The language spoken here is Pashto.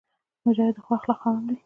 مجاهد د ښو اخلاقو خاوند وي.